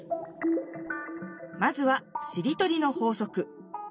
まずは「しりとりの法則」。